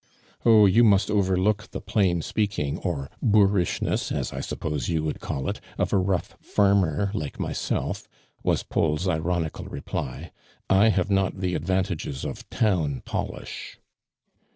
"Oh, you must overlook the plain speak ing, or boorishness, as I suppose you would call it, of a rough former like myself," was Paul's ironical reply. " I have not the ad vantages of town polish."